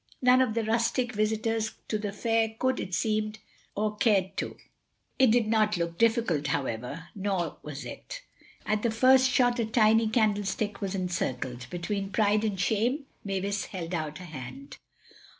None of the rustic visitors to the fair could, it seemed, or cared to. It did not look difficult, however. Nor was it. At the first shot a tiny candlestick was encircled. Between pride and shame Mavis held out a hand.